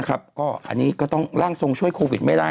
อันนี้ก็ต้องร่างทรงช่วยโควิดไม่ได้